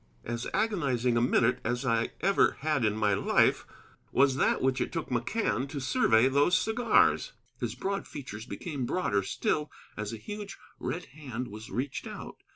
As agonizing a minute as I ever had in my life was that which it took McCann to survey those cigars. His broad features became broader still, as a huge, red hand was reached out.